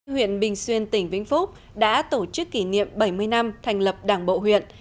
huyện bình xuyên tỉnh vĩnh phúc đã tổ chức kỷ niệm bảy mươi năm thành lập đảng bộ huyện